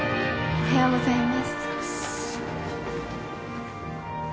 おはようございます。